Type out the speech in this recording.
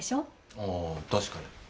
ああ確かに。